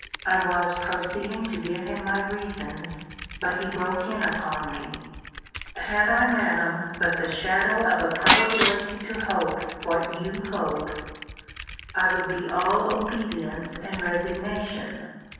I was proceeding to give him my reasons; but he broke in upon me Had I, Madam, but the shadow of a probability to hope what you hope, I would be all obedience and resignation.